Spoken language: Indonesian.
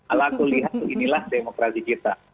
alah aku lihat inilah demokrasi kita